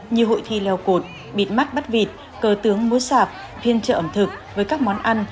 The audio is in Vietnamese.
như hội thi leo cột bịt mắt bắt vịt cơ tướng mua sạp phiên trợ ẩm thực với các món ăn